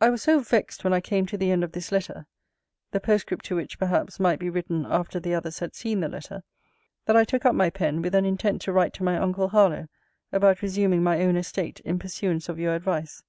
I was so vexed when I came to the end of this letter, (the postscript to which, perhaps, might be written after the others had seen the letter,) that I took up my pen, with an intent to write to my uncle Harlowe about resuming my own estate, in pursuance of your advice.